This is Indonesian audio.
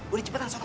boleh cepetan sokos